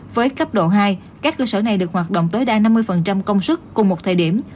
với cấp độ hai các cơ sở này được hoạt động tối đa năm mươi công sức cùng một thời điểm